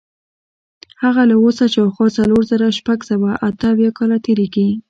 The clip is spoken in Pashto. هغه له اوسه شاوخوا څلور زره شپږ سوه اته اویا کاله تېرېږي.